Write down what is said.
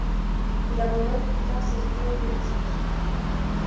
Il abandonne plus tard ses idéaux politiques.